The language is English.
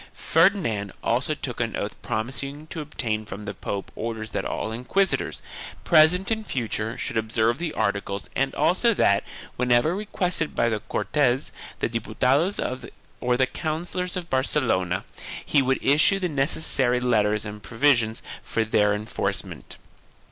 Ferdinand also took an oath promising to obtain from the pope orders that all inquisitors, present and future, should observe the articles and also that, whenever requested by the Cortes, the Diputados or the councillors of Barcelona, he would issue the necessary letters arid provisions for their enforce ment.